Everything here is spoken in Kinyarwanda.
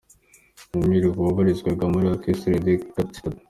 Mimir wabarizwaga muri Orchestre Les Citadins.